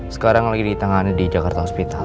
sekarang lagi di tengah tengah di jakarta hospital